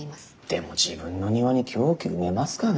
でも自分の庭に凶器埋めますかね？